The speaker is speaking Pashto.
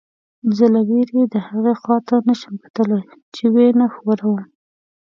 زه له وېرې دهغه خوا ته نه شم کتلی چې ویې نه ښوروم.